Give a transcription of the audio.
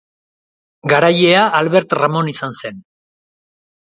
Garailea Albert Ramon izan zen.